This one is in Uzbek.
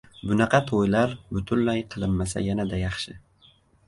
Bunaqa to‘ylar butunlay qilinmasa yanada yaxshi.